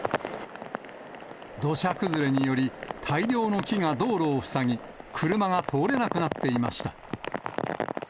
土砂崩れにより、大量の木が道路を塞ぎ、車が通れなくなっていました。